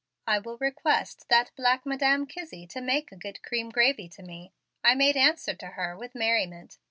"I will request that Madam black Kizzie to make a good cream gravy to me," I made answer to her with merriment.